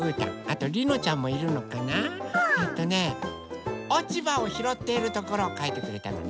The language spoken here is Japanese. えとねおちばをひろっているところをかいてくれたのね。